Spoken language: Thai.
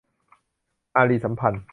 อารีย์สัมพันธ์